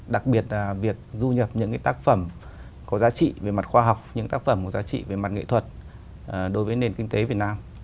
đặc biệt là việc du nhập những tác phẩm có giá trị về mặt khoa học những tác phẩm có giá trị về mặt nghệ thuật đối với nền kinh tế việt nam